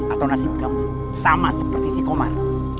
atau nasib kamu sama seperti si komar